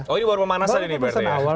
oh ini baru pemanasan ini berarti ya